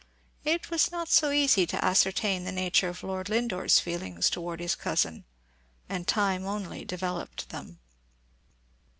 It was not so easy to ascertain the nature of Lord Lindore's feelings towards his cousin, and time only developed them.